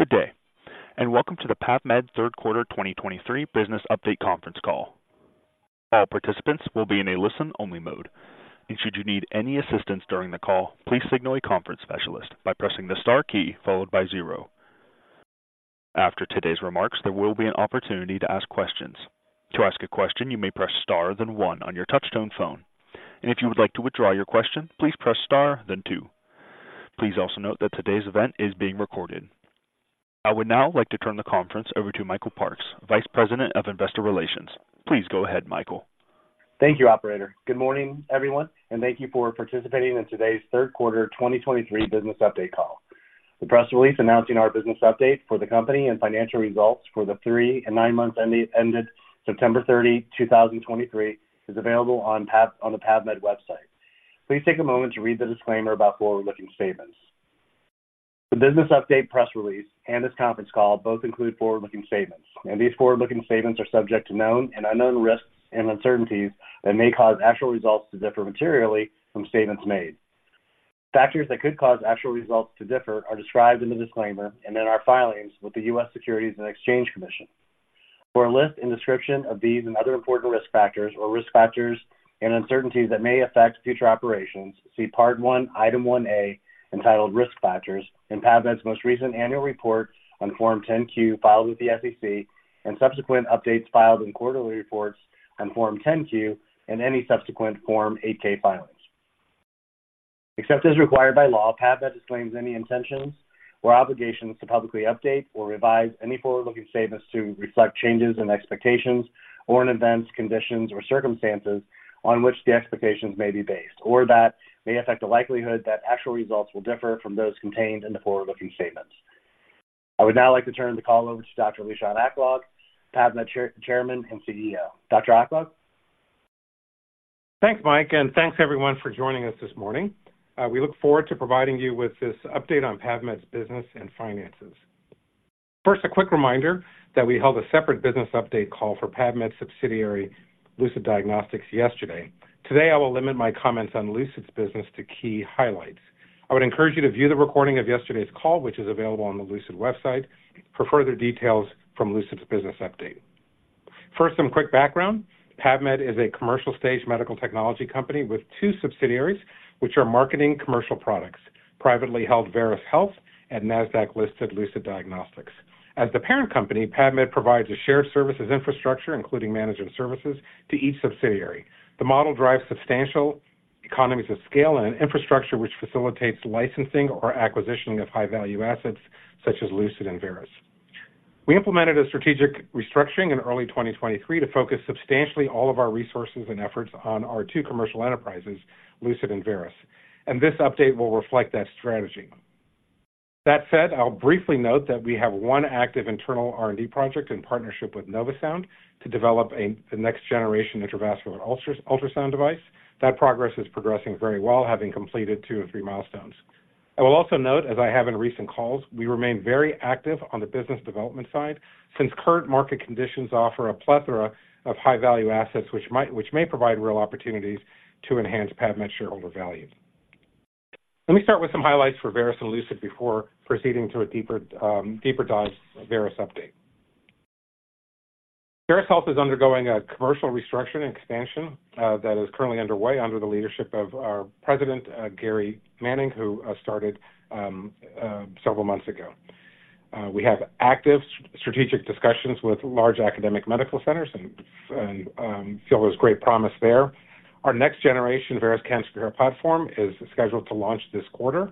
Good day, and welcome to the PAVmed third quarter 2023 business update conference call. All participants will be in a listen-only mode, and should you need any assistance during the call, please signal a conference specialist by pressing the Star key followed by zero. After today's remarks, there will be an opportunity to ask questions. To ask a question, you may press Star then one on your touchtone phone, and if you would like to withdraw your question, please press Star then two. Please also note that today's event is being recorded. I would now like to turn the conference over to Michael Parks, Vice President of Investor Relations. Please go ahead, Michael. Thank you, operator. Good morning, everyone, and thank you for participating in today's third quarter 2023 business update call. The press release announcing our business update for the company and financial results for the three and nine months ended September 30, 2023, is available on the PAVmed website. Please take a moment to read the disclaimer about forward-looking statements. The business update, press release and this conference call both include forward-looking statements, and these forward-looking statements are subject to known and unknown risks and uncertainties that may cause actual results to differ materially from statements made. Factors that could cause actual results to differ are described in the disclaimer and in our filings with the U.S. Securities and Exchange Commission. For a list and description of these and other important risk factors or risk factors and uncertainties that may affect future operations, see Part I, Item 1A, entitled Risk Factors in PAVmed's most recent annual report on Form 10-Q, filed with the SEC, and subsequent updates filed in quarterly reports on Form 10-Q and any subsequent Form 8-K filings. Except as required by law, PAVmed disclaims any intentions or obligations to publicly update or revise any forward-looking statements to reflect changes in expectations or in events, conditions, or circumstances on which the expectations may be based, or that may affect the likelihood that actual results will differ from those contained in the forward-looking statements. I would now like to turn the call over to Dr. Lishan Aklog, PAVmed Chairman and CEO. Dr. Aklog? Thanks, Mike, and thanks everyone for joining us this morning. We look forward to providing you with this update on PAVmed's business and finances. First, a quick reminder that we held a separate business update call for PAVmed's subsidiary, Lucid Diagnostics, yesterday. Today, I will limit my comments on Lucid's business to key highlights. I would encourage you to view the recording of yesterday's call, which is available on the Lucid website, for further details from Lucid's business update. First, some quick background. PAVmed is a commercial-stage medical technology company with two subsidiaries, which are marketing commercial products, privately held Veris Health and Nasdaq-listed Lucid Diagnostics. As the parent company, PAVmed provides a shared services infrastructure, including management services, to each subsidiary. The model drives substantial economies of scale and an infrastructure which facilitates licensing or acquisition of high-value assets such as Lucid and Veris. We implemented a strategic restructuring in early 2023 to focus substantially all of our resources and efforts on our two commercial enterprises, Lucid and Veris, and this update will reflect that strategy. That said, I'll briefly note that we have one active internal R&D project in partnership with Novosound to develop a next-generation intravascular ultrasound device. That progress is progressing very well, having completed two of three milestones. I will also note, as I have in recent calls, we remain very active on the business development side, since current market conditions offer a plethora of high-value assets, which might, which may provide real opportunities to enhance PAVmed shareholder value. Let me start with some highlights for Veris and Lucid before proceeding to a deeper, deeper dive Veris update. Veris Health is undergoing a commercial restructuring and expansion that is currently underway under the leadership of our president, Gary Manning, who started several months ago. We have active strategic discussions with large academic medical centers and feel there's great promise there. Our next generation, Veris Cancer Care Platform, is scheduled to launch this quarter,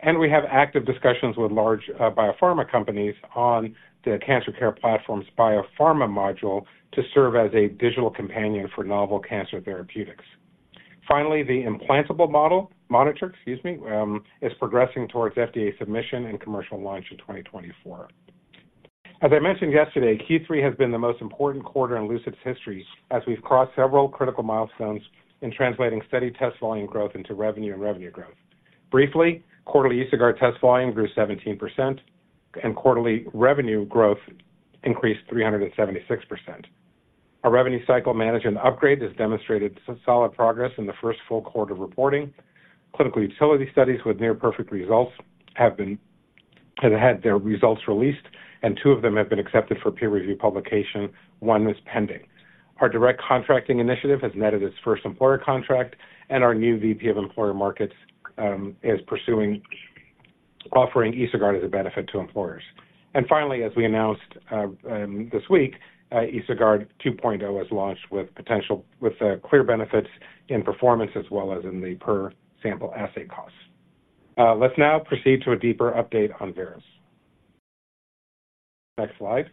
and we have active discussions with large biopharma companies on the cancer care platform's Biopharma Module to serve as a digital companion for novel cancer therapeutics. Finally, the implantable monitor is progressing towards FDA submission and commercial launch in 2024. As I mentioned yesterday, Q3 has been the most important quarter in Lucid's history as we've crossed several critical milestones in translating steady test volume growth into revenue and revenue growth. Briefly, quarterly EsoGuard test volume grew 17%, and quarterly revenue growth increased 376%. Our revenue cycle management upgrade has demonstrated some solid progress in the first full quarter of reporting. Clinical utility studies with near perfect results have had their results released, and two of them have been accepted for peer review publication. One is pending. Our direct contracting initiative has netted its first employer contract, and our new VP of employer markets is pursuing offering EsoGuard as a benefit to employers. And finally, as we announced this week, EsoGuard 2.0 has launched with clear benefits in performance as well as in the per sample assay costs. Let's now proceed to a deeper update on Veris. Next slide.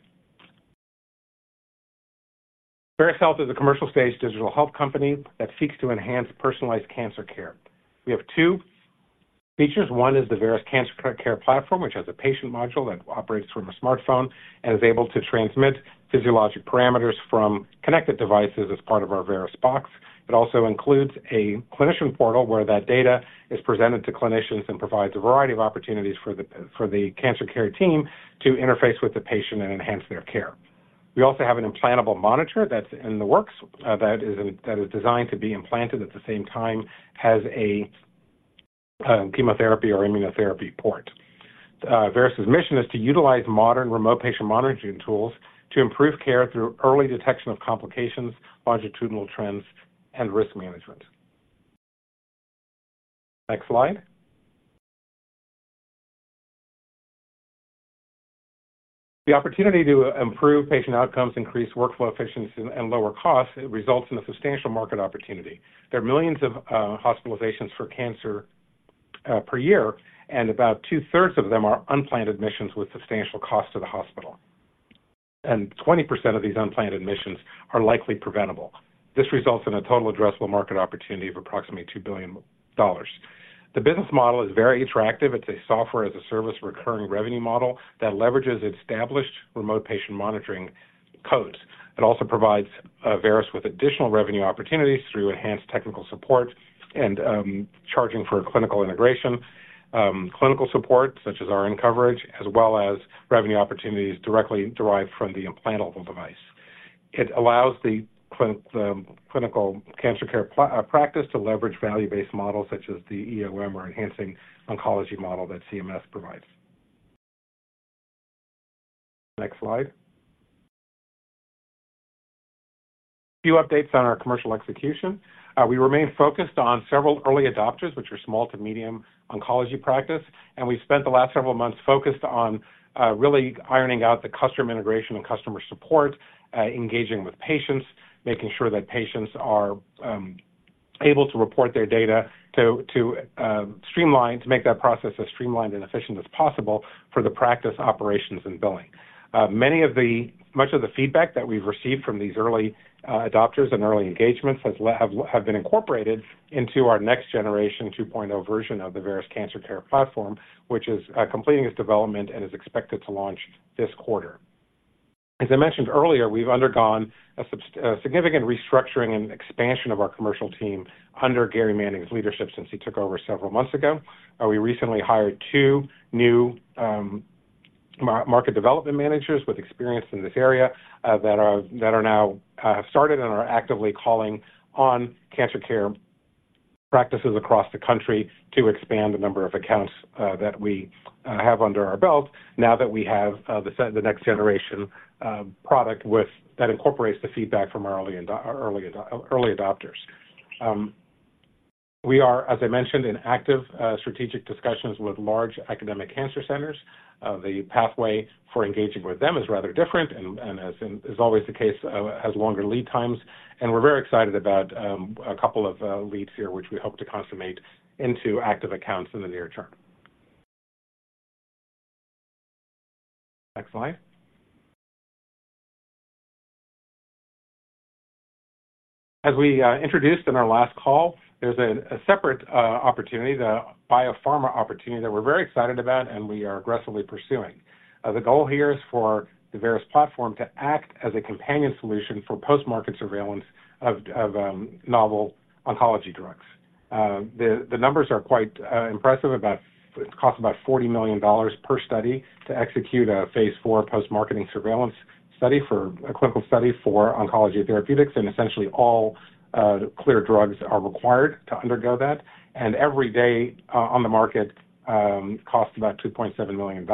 Veris Health is a commercial-stage digital health company that seeks to enhance personalized cancer care. We have two features. One is the Veris Cancer Care Platform, which has a patient module that operates from a smartphone and is able to transmit physiologic parameters from connected devices as part of our VerisBox. It also includes a clinician portal, where that data is presented to clinicians and provides a variety of opportunities for the cancer care team to interface with the patient and enhance their care. We also have an implantable monitor that's in the works, that is designed to be implanted at the same time, has a chemotherapy or immunotherapy port. Veris's mission is to utilize modern remote patient monitoring tools to improve care through early detection of complications, longitudinal trends, and risk management. Next slide. The opportunity to improve patient outcomes, increase workflow efficiency, and lower costs, it results in a substantial market opportunity. There are millions of hospitalizations for cancer per year, and about two-thirds of them are unplanned admissions with substantial cost to the hospital. Twenty percent of these unplanned admissions are likely preventable. This results in a total addressable market opportunity of approximately $2 billion. The business model is very attractive. It's a software as a service recurring revenue model that leverages established remote patient monitoring codes. It also provides Veris with additional revenue opportunities through enhanced technical support and charging for clinical integration, clinical support, such as RN coverage, as well as revenue opportunities directly derived from the implantable device. It allows the clinical cancer care practice to leverage value-based models such as the EOM or Enhancing Oncology Model that CMS provides. Next slide. A few updates on our commercial execution. We remain focused on several early adopters, which are small to medium oncology practice, and we spent the last several months focused on really ironing out the customer integration and customer support, engaging with patients, making sure that patients are able to report their data to streamline, to make that process as streamlined and efficient as possible for the practice, operations, and billing. Much of the feedback that we've received from these early adopters and early engagements has been incorporated into our next generation, 2.0 version of the Veris Cancer Care Platform, which is completing its development and is expected to launch this quarter. As I mentioned earlier, we've undergone a significant restructuring and expansion of our commercial team under Gary Manning's leadership since he took over several months ago. We recently hired two new market development managers with experience in this area that are now started and are actively calling on cancer care practices across the country to expand the number of accounts that we have under our belt now that we have the next generation product that incorporates the feedback from our early adopters. We are, as I mentioned, in active strategic discussions with large academic cancer centers. The pathway for engaging with them is rather different and, as is always the case, has longer lead times. We're very excited about a couple of leads here, which we hope to consummate into active accounts in the near term. Next slide. As we introduced in our last call, there's a separate opportunity, the biopharma opportunity, that we're very excited about and we are aggressively pursuing. The goal here is for the Veris platform to act as a companion solution for post-market surveillance of novel oncology drugs. The numbers are quite impressive. It costs about $40 million per study to execute a phase IV post-marketing surveillance study for a clinical study for oncology therapeutics, and essentially all cleared drugs are required to undergo that. And every day on the market costs about $2.7 million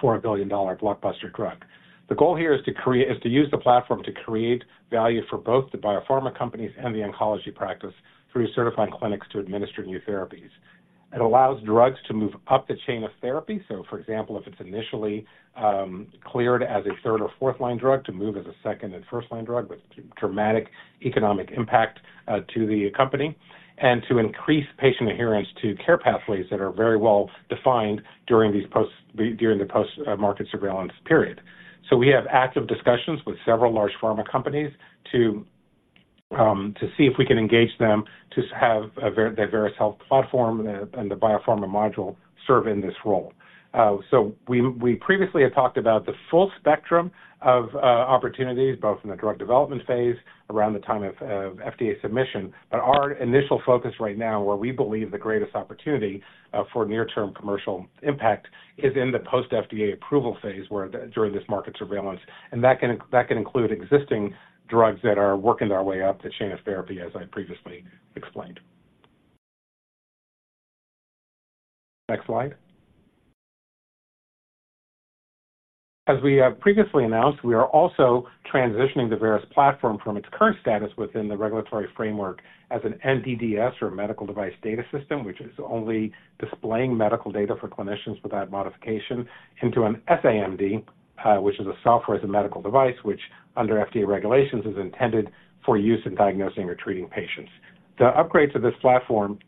for a billion-dollar blockbuster drug. The goal here is to use the platform to create value for both the biopharma companies and the oncology practice through certifying clinics to administer new therapies. It allows drugs to move up the chain of therapy. So for example, if it's initially cleared as a third or fourth-line drug, to move as a second and first-line drug, with dramatic economic impact to the company, and to increase patient adherence to care pathways that are very well defined during the post-market surveillance period. So we have active discussions with several large pharma companies to see if we can engage them to have the Veris Health platform and the Biopharma Module serve in this role. So we previously had talked about the full spectrum of opportunities, both in the drug development phase around the time of FDA submission, but our initial focus right now, where we believe the greatest opportunity for near-term commercial impact, is in the post-FDA approval phase, where during this market surveillance. That can include existing drugs that are working their way up the chain of therapy, as I previously explained. Next slide. As we have previously announced, we are also transitioning the Veris platform from its current status within the regulatory framework as an MDDS, or Medical Device Data System, which is only displaying medical data for clinicians without modification, into a SaMD, which is a Software as a Medical Device, which under FDA regulations is intended for use in diagnosing or treating patients. The upgrade to this platform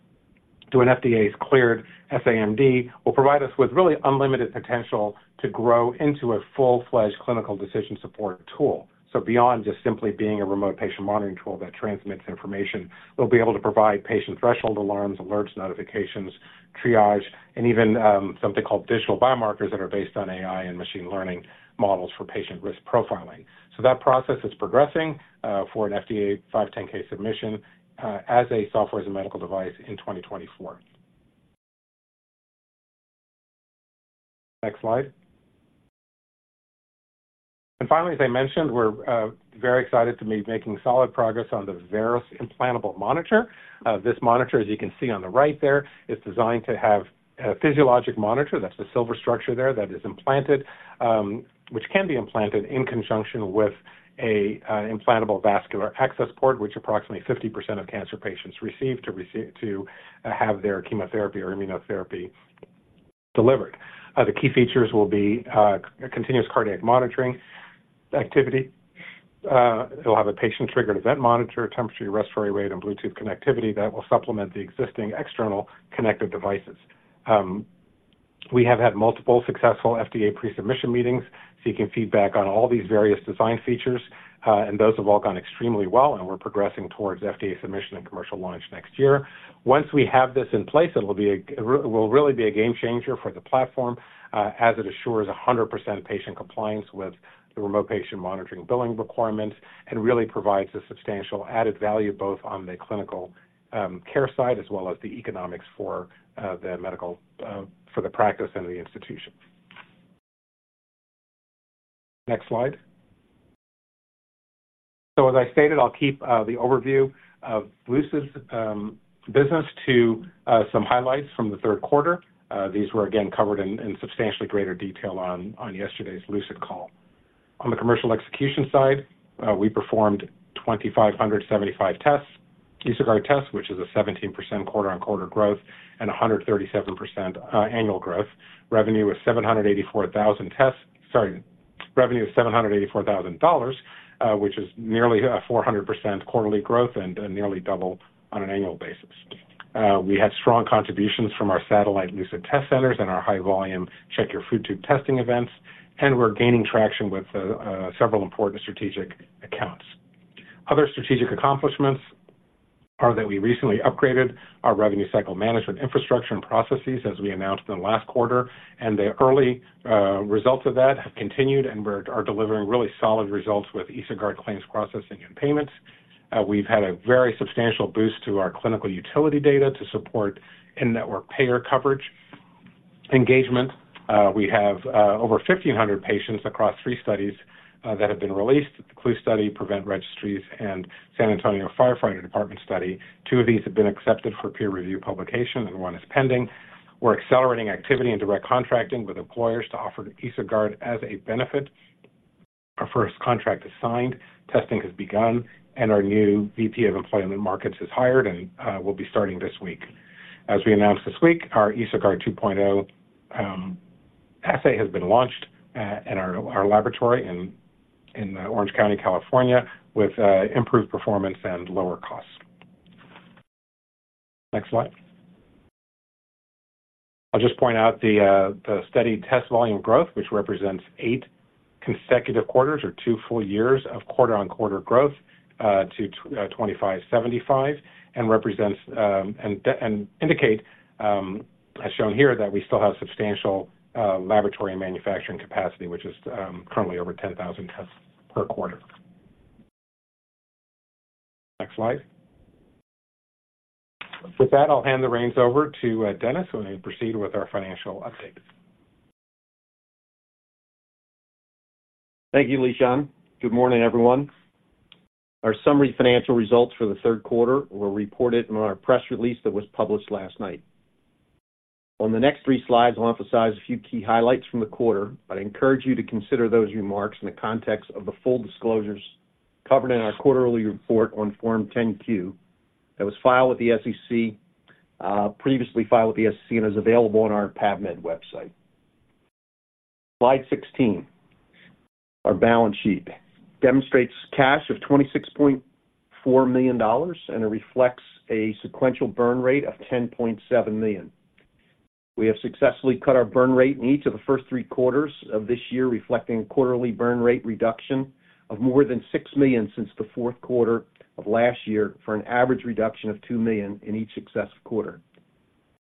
to an FDA-cleared SAMD will provide us with really unlimited potential to grow into a full-fledged clinical decision support tool. So beyond just simply being a remote patient monitoring tool that transmits information, we'll be able to provide patient threshold alarms, alerts, notifications, triage, and even something called digital biomarkers that are based on AI and machine learning models for patient risk profiling. So that process is progressing for an FDA 510(k) submission as a software as a medical device in 2024. Next slide. And finally, as I mentioned, we're very excited to be making solid progress on the Veris implantable monitor. This monitor, as you can see on the right there, is designed to have a physiologic monitor. That's the silver structure there that is implanted, which can be implanted in conjunction with a implantable vascular access port, which approximately 50% of cancer patients receive to have their chemotherapy or immunotherapy delivered. The key features will be continuous cardiac monitoring activity. It'll have a patient-triggered event monitor, temperature, respiratory rate, and Bluetooth connectivity that will supplement the existing external connected devices. We have had multiple successful FDA pre-submission meetings, seeking feedback on all these various design features, and those have all gone extremely well, and we're progressing towards FDA submission and commercial launch next year. Once we have this in place, it will be a, it will really be a game changer for the platform, as it assures 100% patient compliance with the remote patient monitoring billing requirements and really provides a substantial added value, both on the clinical, care side as well as the economics for, the medical, for the practice and the institution. Next slide. As I stated, I'll keep the overview of Lucid's business to some highlights from the third quarter. These were again covered in, in substantially greater detail on yesterday's Lucid call. On the commercial execution side, we performed 2,575 tests, EsoGuard tests, which is a 17% quarter-on-quarter growth and a 137%, annual growth. Revenue was $784,000 tests. Sorry, revenue of $784,000, which is nearly 400% quarterly growth and nearly double on an annual basis. We had strong contributions from our satellite Lucid test centers and our high-volume Check Your Food Tube testing events, and we're gaining traction with several important strategic accounts. Other strategic accomplishments are that we recently upgraded our revenue cycle management infrastructure and processes, as we announced in the last quarter, and the early results of that have continued, and we are delivering really solid results with EsoGuard claims processing and payments. We've had a very substantial boost to our clinical utility data to support in-network payer coverage engagement. We have over 1,500 patients across three studies that have been released, the CLUE Study, PREVENT Registries, and San Antonio Fire Department study. Two of these have been accepted for peer review publication, and one is pending. We're accelerating activity and direct contracting with employers to offer the EsoGuard as a benefit. Our first contract is signed, testing has begun, and our new VP of employment markets is hired and will be starting this week. As we announced this week, our EsoGuard 2.0 assay has been launched in our laboratory in Orange County, California, with improved performance and lower costs. Next slide. I'll just point out the steady test volume growth, which represents eight consecutive quarters or two full years of quarter-on-quarter growth to 2,575, and represents and indicate as shown here, that we still have substantial laboratory and manufacturing capacity, which is currently over 10,000 tests per quarter. Next slide. With that, I'll hand the reins over to Dennis, who will proceed with our financial update. Thank you, Lishan. Good morning, everyone. Our summary financial results for the third quarter were reported in our press release that was published last night. On the next three slides, I'll emphasize a few key highlights from the quarter, but I encourage you to consider those remarks in the context of the full disclosures covered in our quarterly report on Form 10-Q, that was filed with the SEC, previously filed with the SEC and is available on our PAVmed website. Slide 16, our balance sheet, demonstrates cash of $26.4 million, and it reflects a sequential burn rate of $10.7 million. We have successfully cut our burn rate in each of the first three quarters of this year, reflecting a quarterly burn rate reduction of more than $6 million since the fourth quarter of last year, for an average reduction of $2 million in each successive quarter.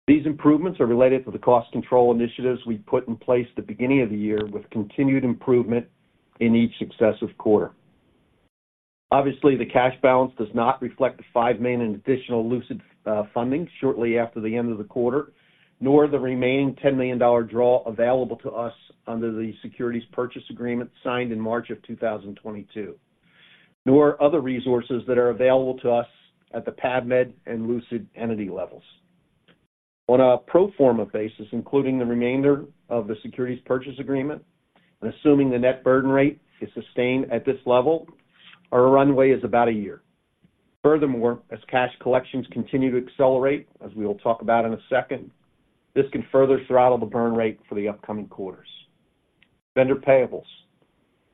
These improvements are related to the cost control initiatives we put in place at the beginning of the year, with continued improvement in each successive quarter. Obviously, the cash balance does not reflect the $5 million in additional Lucid funding shortly after the end of the quarter, nor the remaining $10 million draw available to us under the securities purchase agreement signed in March 2022, nor other resources that are available to us at the PAVmed and Lucid entity levels. On a pro forma basis, including the remainder of the securities purchase agreement and assuming the net burn rate is sustained at this level, our runway is about a year. Furthermore, as cash collections continue to accelerate, as we will talk about in a second, this can further throttle the burn rate for the upcoming quarters. Vendor payables.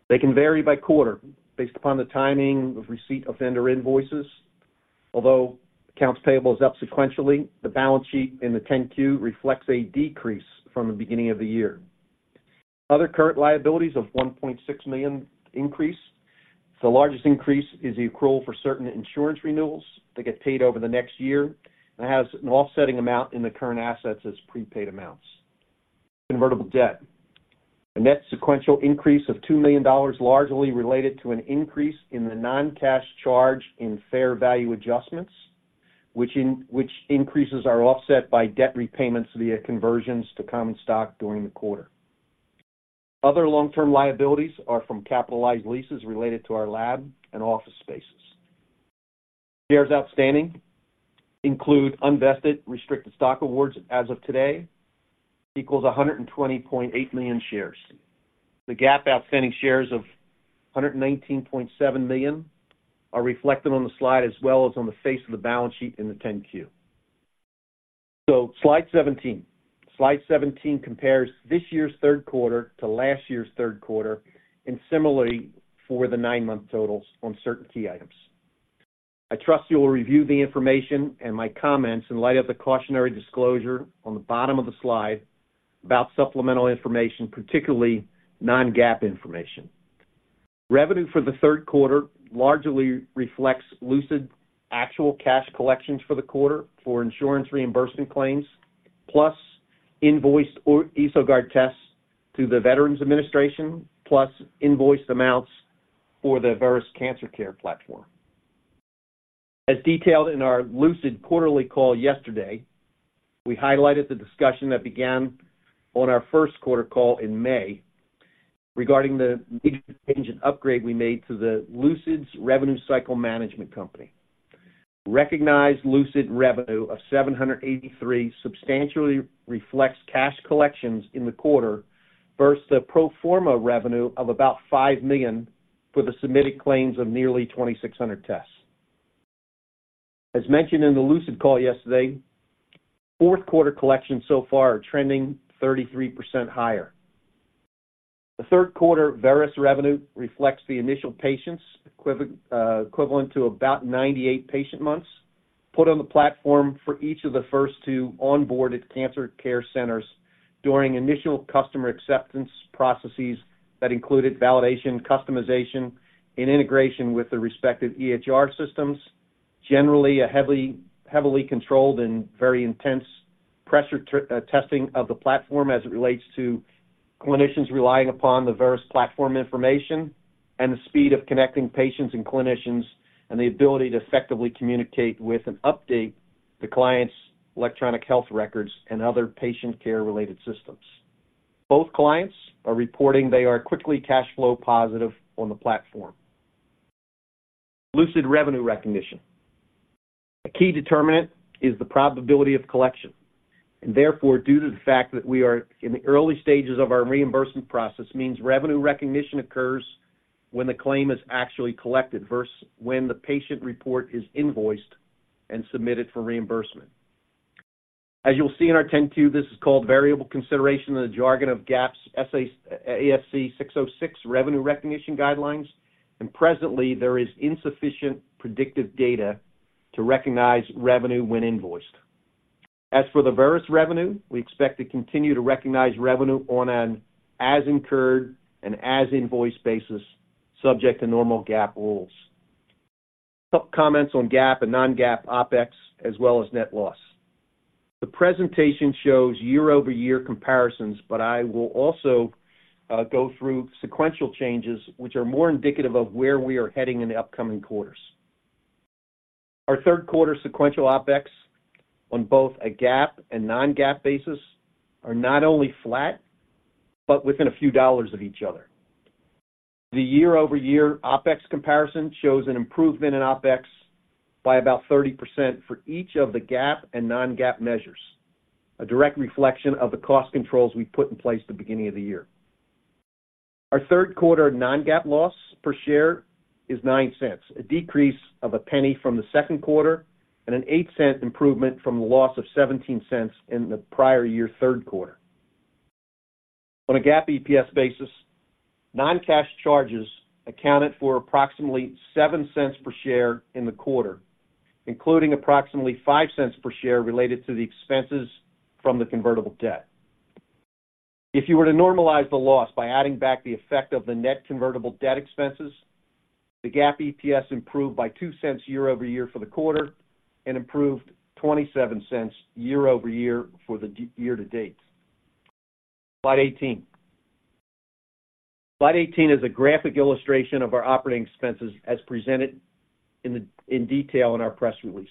They can vary by quarter based upon the timing of receipt of vendor invoices. Although accounts payable is up sequentially, the balance sheet in the 10-Q reflects a decrease from the beginning of the year. Other current liabilities of $1.6 million increase. The largest increase is the accrual for certain insurance renewals that get paid over the next year and has an offsetting amount in the current assets as prepaid amounts. Convertible debt. The net sequential increase of $2 million largely related to an increase in the non-cash charge in fair value adjustments, which increases are offset by debt repayments via conversions to common stock during the quarter. Other long-term liabilities are from capitalized leases related to our lab and office spaces. Shares outstanding include unvested restricted stock awards as of today, equals 120.8 million shares. The GAAP outstanding shares of 119.7 million are reflected on the slide, as well as on the face of the balance sheet in the 10-Q. So slide 17. Slide 17 compares this year's third quarter to last year's third quarter, and similarly, for the nine-month totals on certain key items. I trust you will review the information and my comments in light of the cautionary disclosure on the bottom of the slide about supplemental information, particularly non-GAAP information. Revenue for the third quarter largely reflects Lucid's actual cash collections for the quarter for insurance reimbursement claims, plus invoiced EsoGuard tests to the Veterans Administration, plus invoiced amounts for the Veris Cancer Care Platform. As detailed in our Lucid quarterly call yesterday, we highlighted the discussion that began on our first quarter call in May regarding the major change and upgrade we made to the Lucid's revenue cycle management company. Recognized Lucid revenue of $783 substantially reflects cash collections in the quarter versus the pro forma revenue of about $5 million for the submitted claims of nearly 2,600 tests. As mentioned in the Lucid call yesterday, fourth quarter collections so far are trending 33% higher. The third quarter Veris revenue reflects the initial patients, equivalent to about 98 patient months, put on the platform for each of the first two onboarded cancer care centers during initial customer acceptance processes that included validation, customization, and integration with the respective EHR systems. Generally, a heavily, heavily controlled and very intense pressure testing of the platform as it relates to clinicians relying upon the Veris platform information and the speed of connecting patients and clinicians, and the ability to effectively communicate with and update the client's electronic health records and other patient care-related systems. Both clients are reporting they are quickly cash flow positive on the platform. Lucid revenue recognition. A key determinant is the probability of collection, and therefore, due to the fact that we are in the early stages of our reimbursement process, means revenue recognition occurs when the claim is actually collected versus when the patient report is invoiced and submitted for reimbursement. As you'll see in our 10-Q, this is called variable consideration in the jargon of GAAP's ASC 606 revenue recognition guidelines, and presently, there is insufficient predictive data to recognize revenue when invoiced. As for the Veris revenue, we expect to continue to recognize revenue on an as-incurred and as-invoiced basis, subject to normal GAAP rules. Some comments on GAAP and non-GAAP OpEx, as well as net loss. The presentation shows year-over-year comparisons, but I will also, go through sequential changes, which are more indicative of where we are heading in the upcoming quarters. Our third quarter sequential OpEx on both a GAAP and non-GAAP basis are not only flat, but within a few dollars of each other. The year-over-year OpEx comparison shows an improvement in OpEx by about 30% for each of the GAAP and non-GAAP measures, a direct reflection of the cost controls we put in place at the beginning of the year. Our third quarter non-GAAP loss per share is $0.09, a decrease of $0.01 from the second quarter and an 8-cent improvement from the loss of $0.17 in the prior year, third quarter. On a GAAP EPS basis, non-cash charges accounted for approximately $0.07 per share in the quarter, including approximately $0.05 per share related to the expenses from the convertible debt. If you were to normalize the loss by adding back the effect of the net convertible debt expenses, the GAAP EPS improved by $0.02 year-over-year for the quarter and improved $0.27 year-over-year for the year to date. Slide 18. Slide 18 is a graphic illustration of our operating expenses as presented in detail in our press release.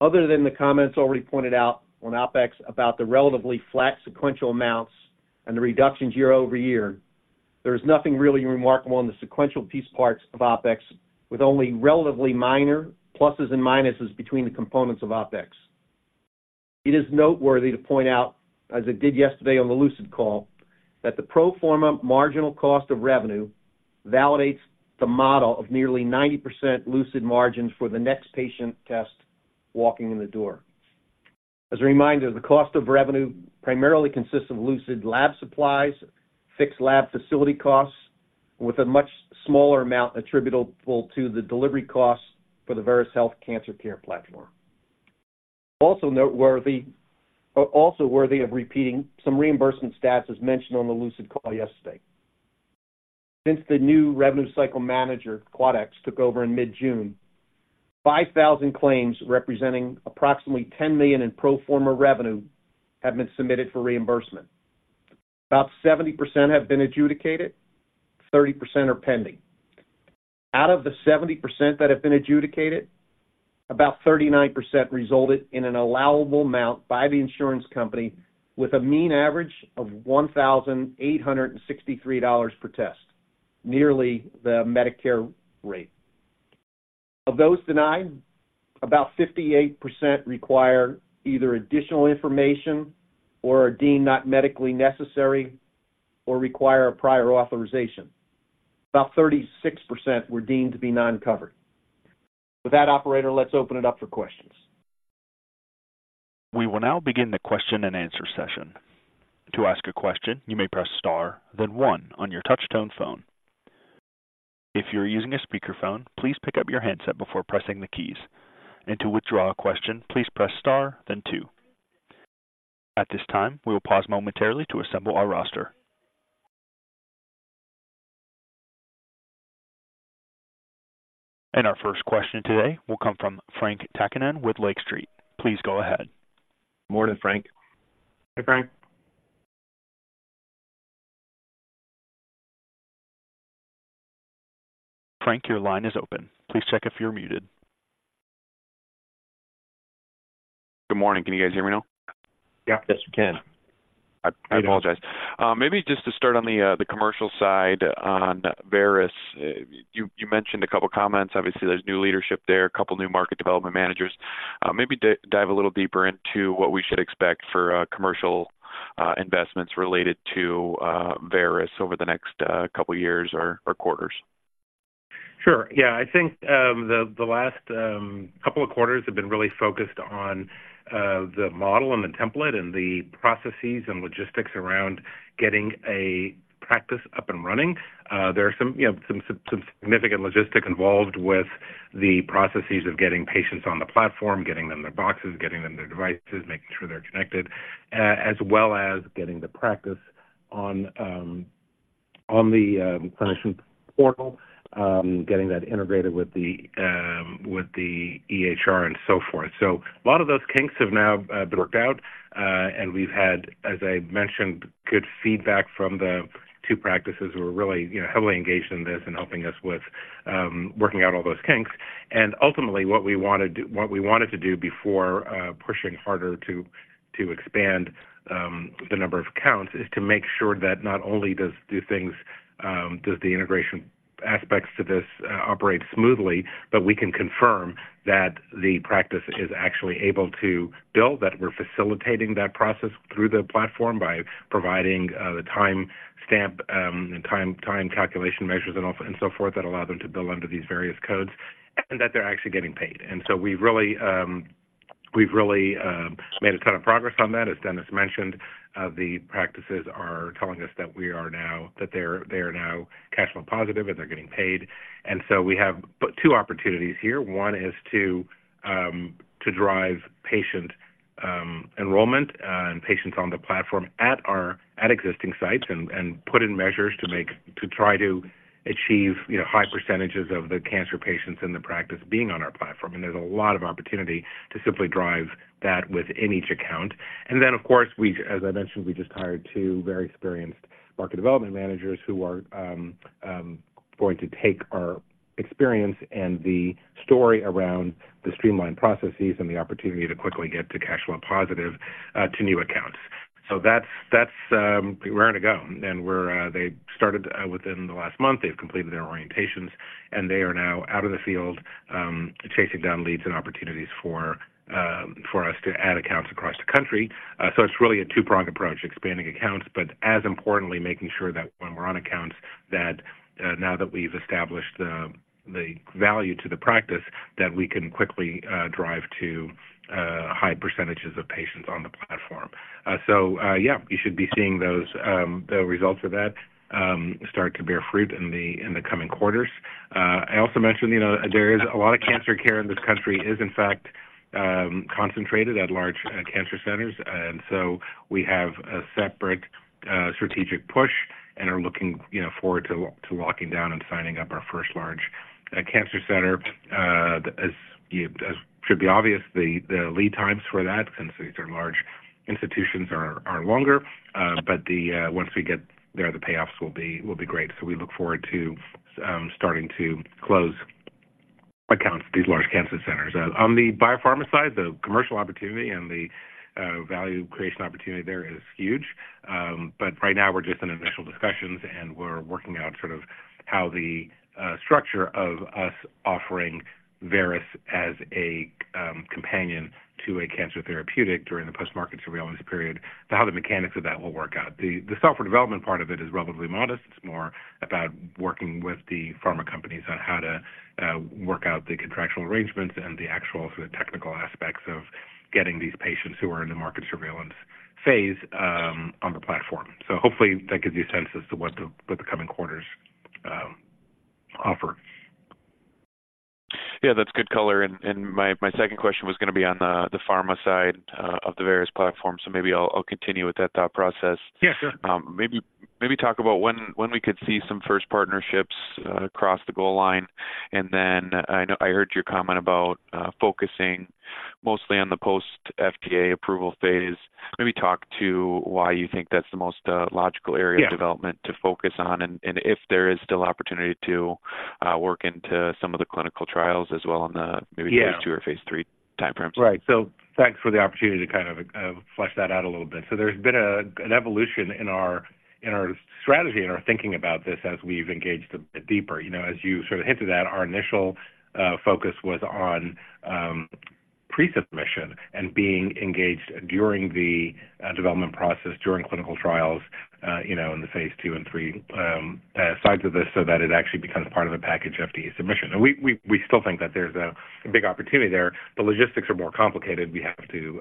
Other than the comments already pointed out on OpEx about the relatively flat sequential amounts and the reductions year-over-year, there is nothing really remarkable in the sequential piece parts of OpEx, with only relatively minor pluses and minuses between the components of OpEx. It is noteworthy to point out, as I did yesterday on the Lucid call, that the pro forma marginal cost of revenue validates the model of nearly 90% Lucid margins for the next patient test walking in the door. As a reminder, the cost of revenue primarily consists of Lucid lab supplies, fixed lab facility costs, with a much smaller amount attributable to the delivery costs for the Veris Health Cancer Care Platform. Also noteworthy, also worthy of repeating some reimbursement stats, as mentioned on the Lucid call yesterday. Since the new revenue cycle manager, Quadax, took over in mid-June, 5,000 claims, representing approximately $10 million in pro forma revenue, have been submitted for reimbursement. About 70% have been adjudicated, 30% are pending. Out of the 70% that have been adjudicated, about 39% resulted in an allowable amount by the insurance company with a mean average of $1,863 per test, nearly the Medicare rate. Of those denied, about 58% require either additional information or are deemed not medically necessary or require a prior authorization. About 36% were deemed to be non-covered. With that, operator, let's open it up for questions. We will now begin the question and answer session. To ask a question, you may press Star, then One on your touchtone phone. If you're using a speakerphone, please pick up your handset before pressing the keys. And to withdraw a question, please press star then two. At this time, we will pause momentarily to assemble our roster. And our first question today will come from Frank Takkinen with Lake Street. Please go ahead. Good morning, Frank. Hey, Frank. Frank, your line is open. Please check if you're muted. Good morning. Can you guys hear me now? Yeah. Yes, we can. I apologize. Maybe just to start on the commercial side on Veris. You mentioned a couple comments. Obviously, there's new leadership there, a couple new market development managers. Maybe dive a little deeper into what we should expect for commercial investments related to Veris over the next couple of years or quarters. Sure. Yeah, I think, the last couple of quarters have been really focused on, the model and the template and the processes and logistics around getting a practice up and running. There are some, you know, some significant logistics involved with the processes of getting patients on the platform, getting them their boxes, getting them their devices, making sure they're connected, as well as getting the practice on, on the clinician portal, getting that integrated with the, with the EHR and so forth. So a lot of those kinks have now, been worked out, and we've had, as I mentioned, good feedback from the two practices who are really, you know, heavily engaged in this and helping us with, working out all those kinks. And ultimately, what we wanted to do before pushing harder to expand the number of counts is to make sure that not only does these things does the integration aspects to this operate smoothly, but we can confirm that the practice is actually able to bill, that we're facilitating that process through the platform by providing the timestamp and time calculation measures and so forth, that allow them to bill under these various codes, and that they're actually getting paid. And so we've really, we've really made a ton of progress on that. As Dennis mentioned, the practices are telling us that we are now, that they are, they are now cash flow positive, and they're getting paid. And so we have two opportunities here. One is to drive patient enrollment and patients on the platform at our existing sites and put in measures to try to achieve, you know, high percentages of the cancer patients in the practice being on our platform. And there's a lot of opportunity to simply drive that within each account. And then, of course, we, as I mentioned, we just hired two very experienced market development managers who are going to take our experience and the story around the streamlined processes and the opportunity to quickly get to cash flow positive to new accounts. So that's. We're on the go, and they started within the last month. They've completed their orientations, and they are now out in the field, chasing down leads and opportunities for, for us to add accounts across the country. So it's really a two-pronged approach, expanding accounts, but as importantly, making sure that when we're on accounts, that, now that we've established the, the value to the practice, that we can quickly, drive to, high percentages of patients on the platform. So, yeah, you should be seeing those, the results of that, start to bear fruit in the, in the coming quarters. I also mentioned, you know, there is a lot of cancer care in this country is, in fact, concentrated at large cancer centers. And so we have a separate strategic push and are looking, you know, forward to locking down and signing up our first large cancer center. As should be obvious, the lead times for that, since these are large institutions, are longer, but once we get there, the payoffs will be great. So we look forward to starting to close accounts, these large cancer centers. On the biopharma side, the commercial opportunity and the value creation opportunity there is huge. But right now we're just in initial discussions, and we're working out sort of how the structure of us offering Veris as a companion to a cancer therapeutic during the post-market surveillance period, how the mechanics of that will work out. The software development part of it is relatively modest. It's more about working with the pharma companies on how to work out the contractual arrangements and the actual sort of technical aspects of getting these patients who are in the market surveillance phase on the platform. So hopefully, that gives you a sense as to what the, what the coming quarters offer. Yeah, that's good color. And my second question was gonna be on the pharma side of the various platforms, so maybe I'll continue with that thought process. Yeah, sure. Maybe talk about when we could see some first partnerships across the goal line, and then I know I heard your comment about focusing mostly on the post FDA approval phase. Maybe talk to why you think that's the most logical area, Yeah, of development to focus on, and if there is still opportunity to work into some of the clinical trials as well on the, Yeah, maybe phase II or phase III time frames. Right. So thanks for the opportunity to kind of flesh that out a little bit. So there's been an evolution in our strategy and our thinking about this as we've engaged a bit deeper. You know, as you sort of hinted at, our initial focus was on pre-submission and being engaged during the development process, during clinical trials, you know, in the phase II and III sides of this, so that it actually becomes part of the package FDA submission. And we still think that there's a big opportunity there. The logistics are more complicated. We have to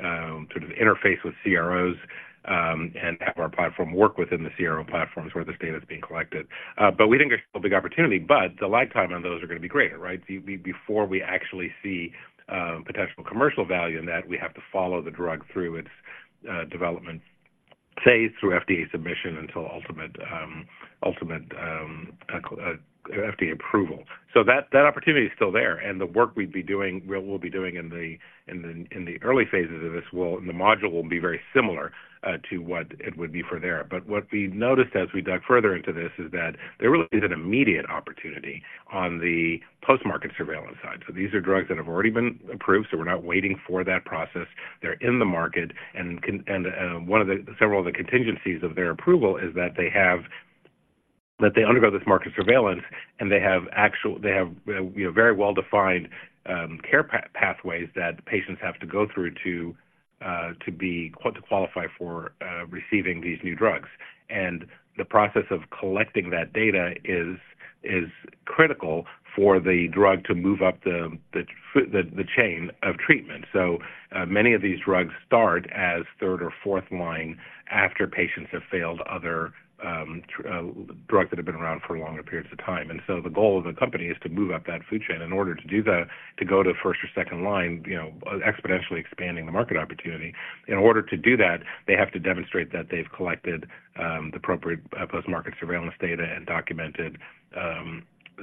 sort of interface with CROs and have our platform work within the CRO platforms where this data is being collected. But we think there's still a big opportunity, but the lifetime on those are going to be greater, right? Before we actually see potential commercial value in that, we have to follow the drug through its development phase, through FDA submission until ultimate FDA approval. So that opportunity is still there, and the work we'd be doing, we'll be doing in the early phases of this will, the module will be very similar to what it would be for there. But what we've noticed as we dug further into this is that there really is an immediate opportunity on the post-market surveillance side. So these are drugs that have already been approved, so we're not waiting for that process. They're in the market, and one of the several of the contingencies of their approval is that they have that they undergo this market surveillance, and they have very well-defined care pathways that patients have to go through to to be to qualify for receiving these new drugs. And the process of collecting that data is critical for the drug to move up the chain of treatment. So many of these drugs start as third or fourth line after patients have failed other drugs that have been around for longer periods of time. And so the goal of the company is to move up that food chain. In order to do that, to go to first or second line, you know, exponentially expanding the market opportunity, in order to do that, they have to demonstrate that they've collected the appropriate post-market surveillance data and documented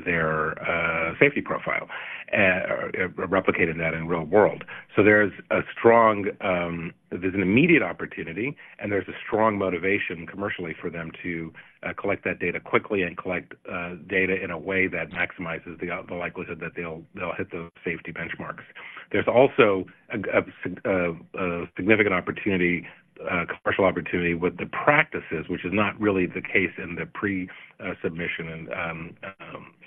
their safety profile and replicated that in real world. So there's a strong there's an immediate opportunity and there's a strong motivation commercially for them to collect that data quickly and collect data in a way that maximizes the likelihood that they'll hit the safety benchmarks. There's also a significant opportunity commercial opportunity with the practices, which is not really the case in the pre-submission and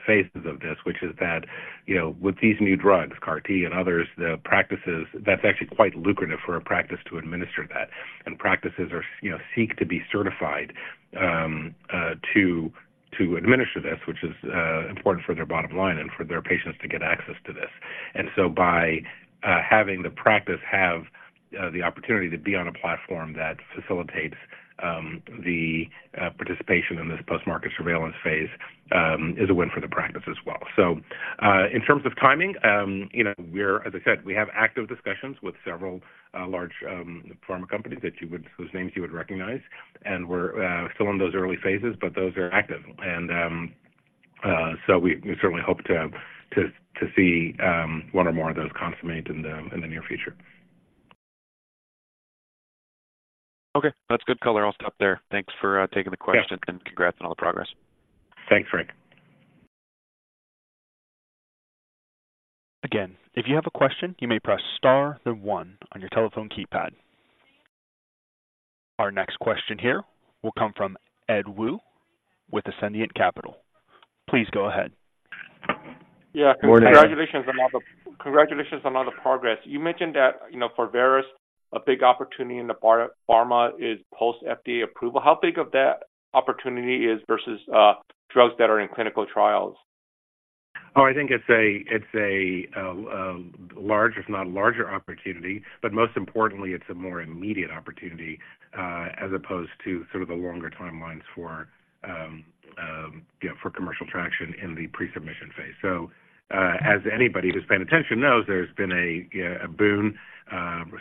phases of this, which is that, you know, with these new drugs, CAR T and others, the practices, that's actually quite lucrative for a practice to administer that. Practices are, you know, seek to be certified to administer this, which is important for their bottom line and for their patients to get access to this. And so by having the practice have the opportunity to be on a platform that facilitates the participation in this post-market surveillance phase is a win for the practice as well. So in terms of timing, you know, we're, as I said, we have active discussions with several large pharma companies that you would, whose names you would recognize, and we're still in those early phases, but those are active. And so we certainly hope to see one or more of those consummate in the near future. Okay, that's good color. I'll stop there. Thanks for taking the question. Yeah. Congrats on all the progress. Thanks, Frank. Again, if you have a question, you may press star then one on your telephone keypad. Our next question here will come from Ed Woo with Ascendiant Capital. Please go ahead. Yeah. Go ahead. Congratulations on all the, congratulations on all the progress. You mentioned that, you know, for Veris, a big opportunity in the pharma is post-FDA approval. How big of that opportunity is versus, drugs that are in clinical trials? Oh, I think it's a, it's a, large, if not larger opportunity, but most importantly, it's a more immediate opportunity, as opposed to sort of the longer timelines for, you know, for commercial traction in the pre-submission phase. So, as anybody who's paying attention knows, there's been a, a boom,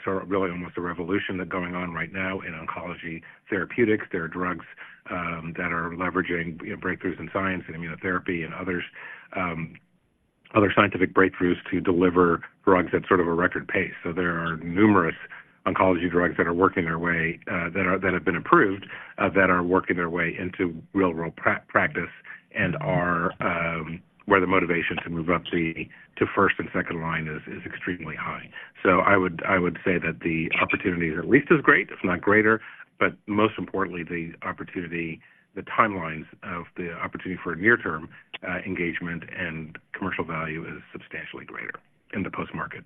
so really almost a revolution going on right now in oncology therapeutics. There are drugs, that are leveraging breakthroughs in science and immunotherapy and others, other scientific breakthroughs to deliver drugs at sort of a record pace. So there are numerous oncology drugs that are working their way that have been approved that are working their way into real-world practice and where the motivation to move up to first and second line is extremely high. So I would say that the opportunity is at least as great, if not greater, but most importantly, the timelines of the opportunity for near-term engagement and commercial value is substantially greater in the post-market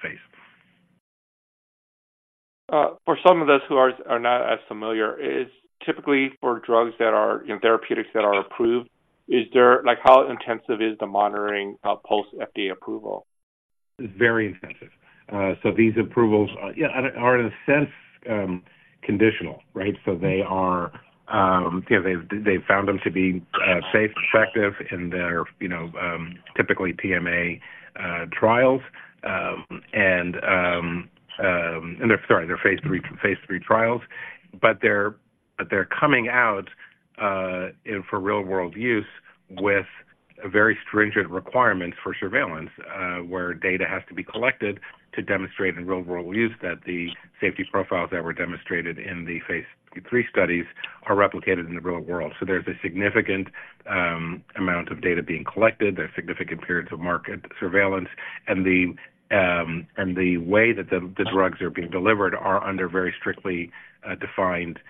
phase. For some of us who are not as familiar, typically for drugs that are therapeutics that are approved, like, how intensive is the monitoring post FDA approval? It's very expensive. So these approvals, yeah, are in a sense conditional, right? So they are, you know, they've, they've found them to be safe, effective in their, you know, typically PMA trials. Sorry, their phase III, phase III trials, but they're, but they're coming out for real-world use with very stringent requirements for surveillance, where data has to be collected to demonstrate in real-world use that the safety profiles that were demonstrated in the phase III studies are replicated in the real world. So there's a significant amount of data being collected. There's significant periods of market surveillance, and the, and the way that the, the drugs are being delivered are under very strictly defined care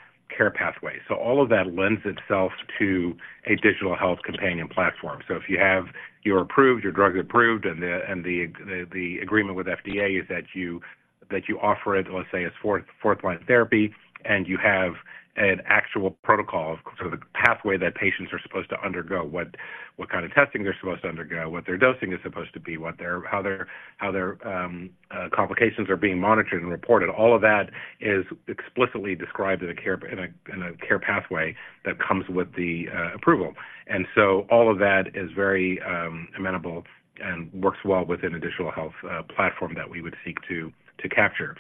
pathways. So all of that lends itself to a digital health companion platform. So if you have your approved, your drug is approved, and the agreement with FDA is that you offer it, let's say, as fourth line therapy, and you have an actual protocol of sort of the pathway that patients are supposed to undergo, what kind of testing they're supposed to undergo, what their dosing is supposed to be, how their complications are being monitored and reported. All of that is explicitly described in a care pathway that comes with the approval. And so all of that is very amenable and works well within a digital health platform that we would seek to capture.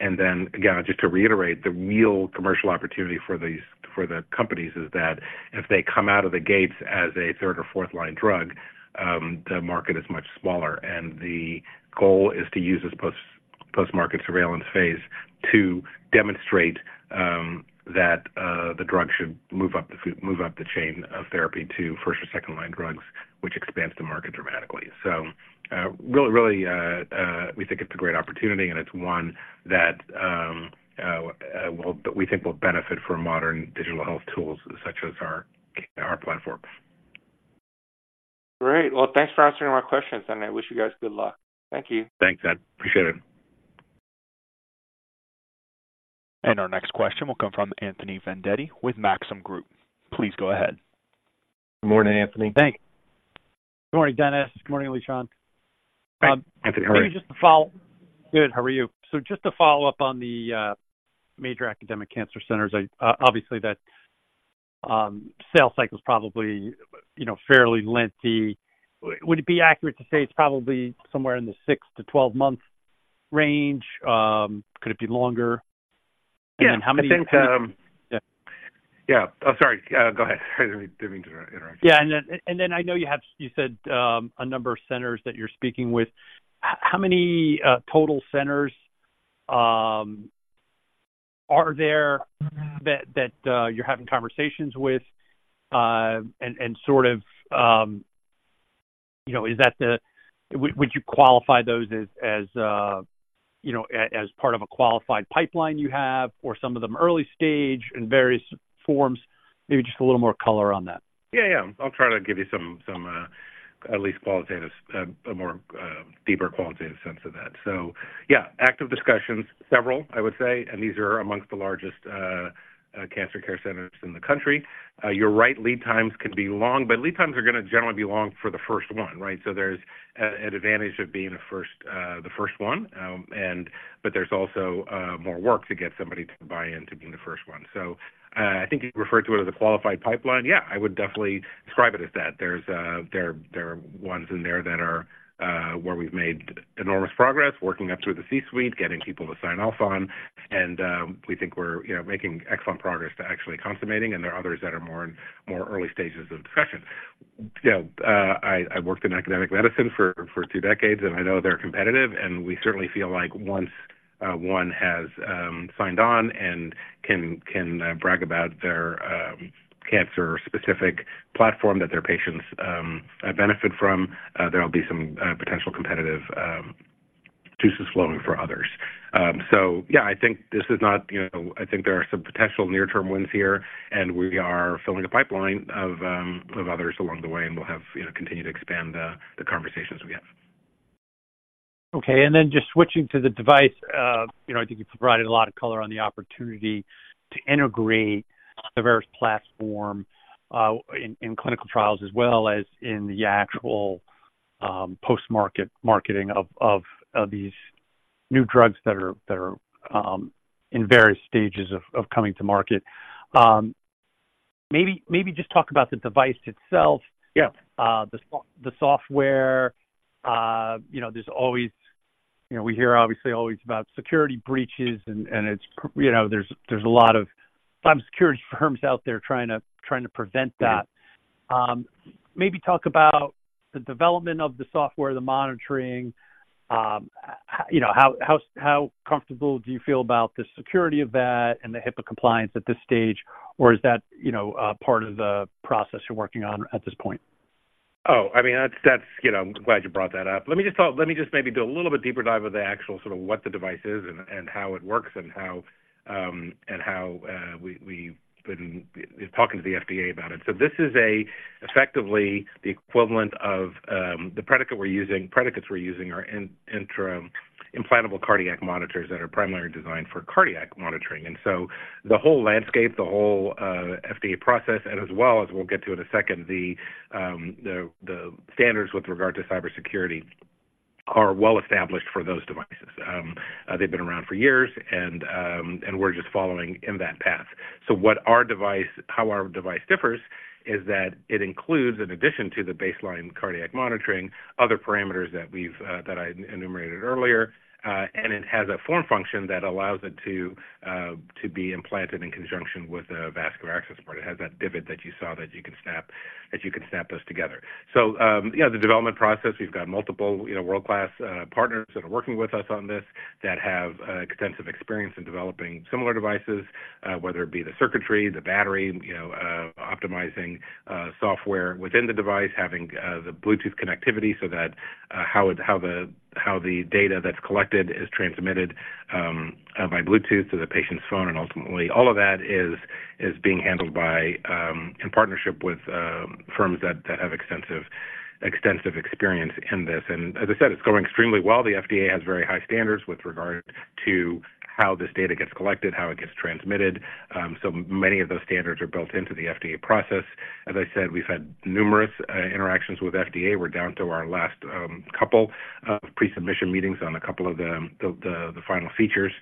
And then again, just to reiterate, the real commercial opportunity for these, for the companies is that if they come out of the gates as a third or fourth line drug, the market is much smaller, and the goal is to use this post-market surveillance phase to demonstrate that the drug should move up the chain of therapy to first or second-line drugs, which expands the market dramatically. So, really, really, we think it's a great opportunity, and it's one that we think will benefit from modern digital health tools such as our platform. Great! Well, thanks for answering my questions, and I wish you guys good luck. Thank you. Thanks, Ed. Appreciate it. Our next question will come from Anthony Vendetti with Maxim Group. Please go ahead. Good morning, Anthony. Thanks. Good morning, Dennis. Good morning, Lishan. Hi, Anthony, how are you? Good. How are you? So just to follow up on the major academic cancer centers, sales cycle is probably, you know, fairly lengthy. Would it be accurate to say it's probably somewhere in the 6-12-month range? Could it be longer? Yeah. And how many- I think. Yeah. Yeah. I'm sorry. Go ahead. I didn't mean to interrupt you. Yeah. And then I know you have, you said a number of centers that you're speaking with. How many total centers are there that you're having conversations with? And sort of, you know, is that the, would you qualify those as, you know, as part of a qualified pipeline you have, or some of them early stage in various forms? Maybe just a little more color on that. Yeah, yeah. I'll try to give you some, some, at least qualitative, a more, deeper qualitative sense of that. So, yeah, active discussions, several, I would say, and these are among the largest, cancer care centers in the country. You're right, lead times can be long, but lead times are going to generally be long for the first one, right? So there's an advantage of being the first, the first one, and but there's also, more work to get somebody to buy in to being the first one. So I think you referred to it as a qualified pipeline. Yeah, I would definitely describe it as that. There's there are ones in there that are where we've made enormous progress working up through the C-suite, getting people to sign off on, and we think we're, you know, making excellent progress to actually consummating, and there are others that are more early stages of discussion. You know, I worked in academic medicine for two decades, and I know they're competitive, and we certainly feel like once one has signed on and can brag about their cancer-specific platform that their patients benefit from, there will be some potential competitive juices flowing for others. So yeah, I think this is not, you know, I think there are some potential near-term wins here, and we are filling a pipeline of others along the way, and we'll have, you know, continue to expand the conversations we have. Okay. Then just switching to the device, you know, I think you provided a lot of color on the opportunity to integrate the various platform in clinical trials, as well as in the actual post-market marketing of these new drugs that are in various stages of coming to market. Maybe just talk about the device itself. Yeah. The software, you know, there's always, you know, we hear obviously always about security breaches, and it's, you know, there's a lot of cybersecurity firms out there trying to prevent that. Maybe talk about the development of the software, the monitoring. How, you know, how comfortable do you feel about the security of that and the HIPAA compliance at this stage, or is that, you know, part of the process you're working on at this point? Oh, I mean, that's, you know, I'm glad you brought that up. Let me just talk. Let me just maybe do a little bit deeper dive of the actual sort of what the device is and how it works, and how we, we've been talking to the FDA about it. So this is effectively the equivalent of the product that we're using. Predicates we're using are insertable implantable cardiac monitors that are primarily designed for cardiac monitoring. And so the whole landscape, the whole FDA process, and as well as we'll get to in a second, the standards with regard to cybersecurity are well established for those devices. They've been around for years, and we're just following in that path. So what our device, how our device differs is that it includes, in addition to the baseline cardiac monitoring, other parameters that we've, that I enumerated earlier. And it has a form function that allows it to, to be implanted in conjunction with a vascular access port. It has that divot that you saw, that you can snap, that you can snap those together. So, yeah, the development process, we've got multiple, you know, world-class partners that are working with us on this, that have extensive experience in developing similar devices, whether it be the circuitry, the battery, you know, optimizing software within the device, having the Bluetooth connectivity, so that, how would, How the data that's collected is transmitted by Bluetooth to the patient's phone, and ultimately, all of that is being handled by in partnership with firms that have extensive experience in this. And as I said, it's going extremely well. The FDA has very high standards with regard to how this data gets collected, how it gets transmitted. So many of those standards are built into the FDA process. As I said, we've had numerous interactions with FDA. We're down to our last couple of pre-submission meetings on a couple of the final features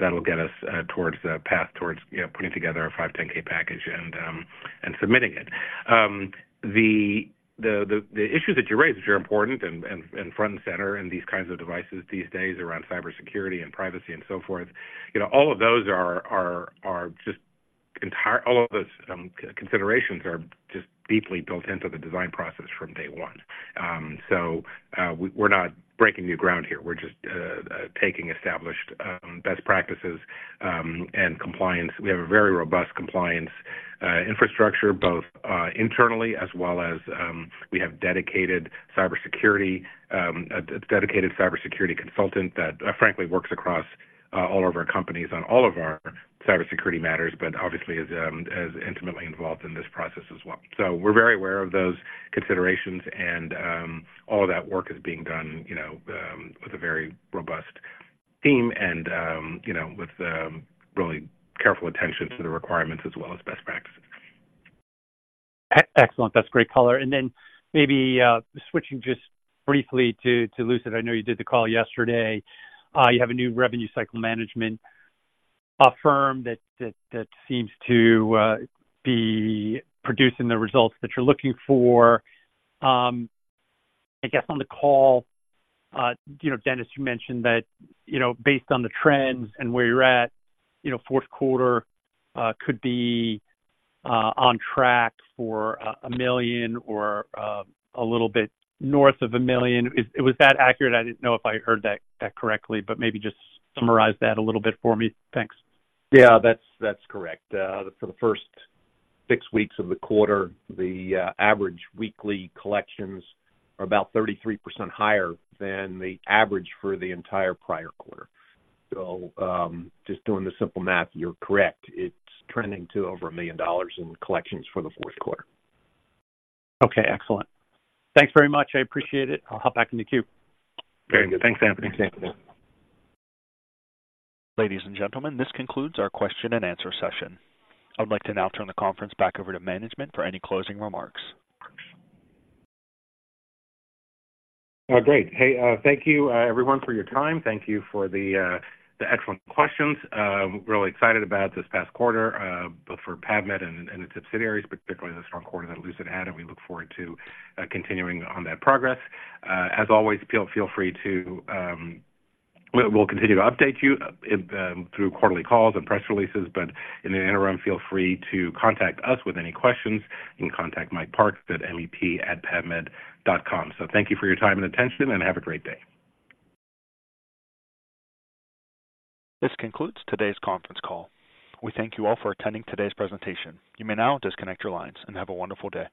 that'll get us towards the path towards, you know, putting together a 510(k) package and submitting it. The issues that you raised are important and front and center in these kinds of devices these days around cybersecurity and privacy and so forth. You know, all of those are just entire, all of those considerations are just deeply built into the design process from day one. So, we're not breaking new ground here. We're just taking established best practices and compliance. We have a very robust compliance infrastructure, both internally as well as we have dedicated cybersecurity, a dedicated cybersecurity consultant that, frankly, works across all of our companies on all of our cybersecurity matters, but obviously is intimately involved in this process as well. So we're very aware of those considerations and all of that work is being done, you know, with a very robust team and, you know, with really careful attention to the requirements as well as best practices. Excellent. That's great color. And then maybe switching just briefly to Lucid. I know you did the call yesterday. You have a new revenue cycle management firm that seems to be producing the results that you're looking for. I guess on the call, you know, Dennis, you mentioned that, you know, based on the trends and where you're at, you know, fourth quarter could be on track for $1 million or a little bit north of $1 million. Was that accurate? I didn't know if I heard that correctly, but maybe just summarize that a little bit for me. Thanks. Yeah, that's, that's correct. For the first six weeks of the quarter, average weekly collections are about 33% higher than the average for the entire prior quarter. So, just doing the simple math, you're correct. It's trending to over $1 million in collections for the fourth quarter. Okay, excellent. Thanks very much. I appreciate it. I'll hop back in the queue. Very good. Thanks, Anthony. Ladies and gentlemen, this concludes our question and answer session. I would like to now turn the conference back over to management for any closing remarks. Oh, great. Hey, thank you, everyone, for your time. Thank you for the excellent questions. Really excited about this past quarter, both for PAVmed and its subsidiaries, particularly the strong quarter that Lucid had, and we look forward to continuing on that progress. As always, feel free to, we'll continue to update you through quarterly calls and press releases, but in the interim, feel free to contact us with any questions. You can contact Mike Parks at mep@pavmed.com. So thank you for your time and attention, and have a great day. This concludes today's conference call. We thank you all for attending today's presentation. You may now disconnect your lines and have a wonderful day.